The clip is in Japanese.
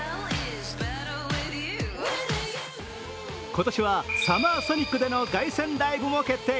今年はサマーソニックでの凱旋ライブも決定。